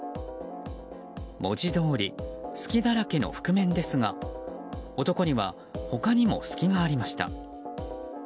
文字どおり隙だらけの覆面ですが男には他にも隙がありました。